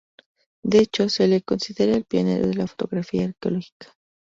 De hecho, se le considera el pionero de la fotografía arqueológica.